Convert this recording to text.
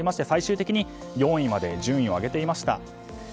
最終的に４位まで順位を上げていました。